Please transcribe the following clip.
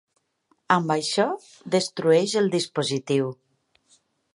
Amb això, destrueix el dispositiu.